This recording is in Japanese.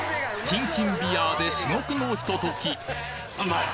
キンキンビヤーで至極のひと時